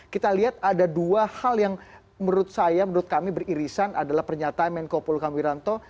kita lihat ada dua hal yang menurut saya menurut kami beririsan adalah pernyataan menko polukam wiranto